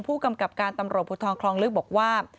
ผู้กำกับการตำรวจภูทรคลองลึกบอกว่า